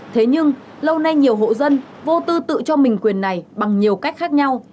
thế nhưng lâu nay nhiều hộ dân vô tư tự cho mình quyền này bằng nhiều cách khác nhau